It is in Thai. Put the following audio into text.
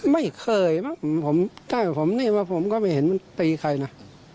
ไม่เคยผมท่านว่าผมนี่ว่าผมก็ไม่เห็นมันตีใครน่ะ